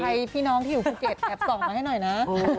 พี่น้องที่อยู่ภูเก็ตแอบส่องมาให้หน่อยนะ